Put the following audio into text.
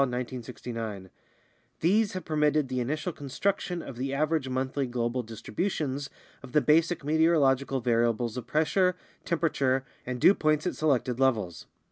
1969); these have permitted the initial construction of the average monthly global distributions of the basic meteorological variables of pressure, temperature, and dew points at selected levels.